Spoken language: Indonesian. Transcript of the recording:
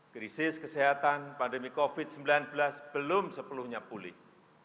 krisis kesehatan pandemi covid sembilan belas belum sepenuhnya pulih